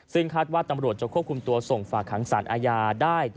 ซึ่งคาดว่าตำรวจจะควบคุมตัวส่งฝากหางสารอาญาได้